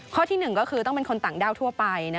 ข้อที่๑ก็คือต้องเป็นคนต่างด้าวทั่วไป